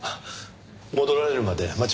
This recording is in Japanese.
戻られるまで待ちますよ。